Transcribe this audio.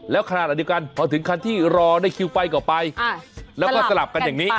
แล้วขณะเดียวกันพอถึงคันที่รอได้คิวไปก็ไปแล้วก็สลับกันอย่างนี้